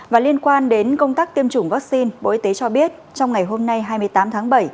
và liên quan đến công tác tiêm chủng vaccine bộ y tế cho biết trong ngày hôm nay hai mươi tám tháng bảy